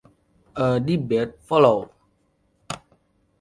A debate followed.